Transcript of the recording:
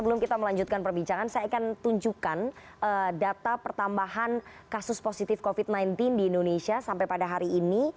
sebelum kita melanjutkan perbincangan saya akan tunjukkan data pertambahan kasus positif covid sembilan belas di indonesia sampai pada hari ini